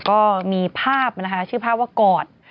ก็มีภาพนะคะชื่อภาพว่ากอด